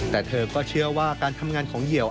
แต่เธอก็เชื่อว่าการทำงานของเหยื่อ